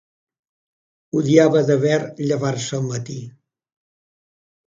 Odiava de ver llevar-se al matí.